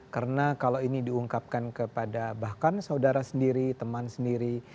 karena kalau ini diungkapkan kepada bahkan saudara sendiri teman sendiri